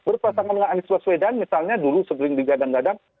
berpasangan dengan anies baswedan misalnya dulu sebelum digadang gadang